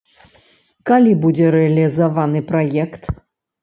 Калі будзе рэалізаваны праект?